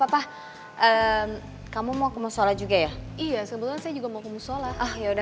apa apa kamu mau kemu sholat juga ya iya sebenernya saya juga mau kemu sholat ya udah